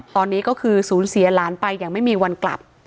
ตอนนี้ก็คือสูญเสียหลานไปอย่างไม่มีวันกลับ